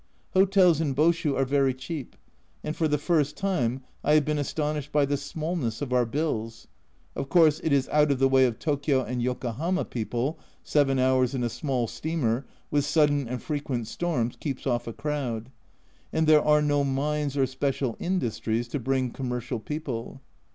Hotels in Boshu are very cheap, and for the first time I have been astonished by the smallness of our bills of course it is out of the way of Tokio and Yokohama people (seven hours in a small steamer, with sudden and frequent storms, keeps off a crowd), and there are no mines or special industries to bring commercial people.